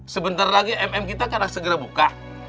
sebentar lagi mm kita kan harus segera buka